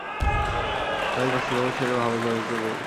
খালিদ বাস্তব জগৎ ছেড়ে ভাবের জগতে চলে যান।